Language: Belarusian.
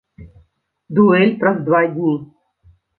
Дуэль праз два дні!